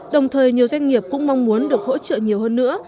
đồng thời nhiều doanh nghiệp cũng mong muốn được hỗ trợ nhiều hơn nữa